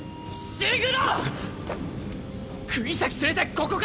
伏黒！